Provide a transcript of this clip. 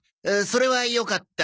それはよかった。